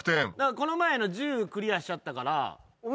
この前１０クリアしちゃったから。